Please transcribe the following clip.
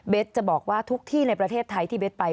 จะบอกว่าทุกที่ในประเทศไทยที่เบสไป